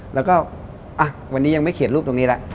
แล้วก็วันนี้ยังไม่เขียนรูปตรงนี้แล้ว